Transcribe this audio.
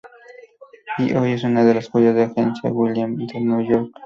Y hoy es una de las joyas de la agencia Wilhelmina de Nueva York.